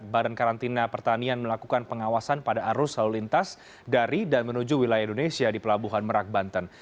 badan karantina pertanian melakukan pengawasan pada arus lalu lintas dari dan menuju wilayah indonesia di pelabuhan merak banten